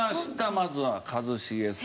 まずは一茂さん。